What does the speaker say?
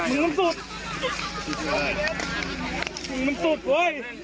เหมือนถูกเว้ย